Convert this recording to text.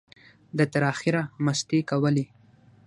ده تر اخره مستۍ کولې.